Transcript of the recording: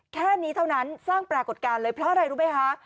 แค่นี้เท่านั้นสร้างปรากฏการณ์เลยเพราะอะไรรู้ไหมคะ